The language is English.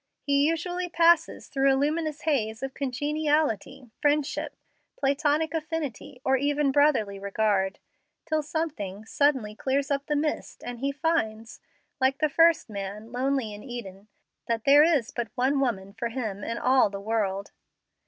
He usually passes through a luminous haze of congeniality, friendship, Platonic affinity, or even brotherly regard, till something suddenly clears up the mist and he finds, like the first man, lonely in Eden, that there is but one woman for him in all the world.